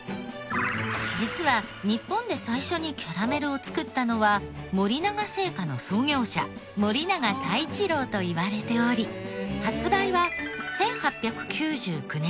実は日本で最初にキャラメルを作ったのは森永製菓の創業者森永太一郎といわれており発売は１８９９年